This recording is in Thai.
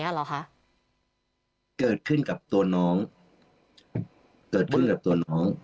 เหรอคะเกิดขึ้นกับตัวน้องเกิดขึ้นกับตัวน้อง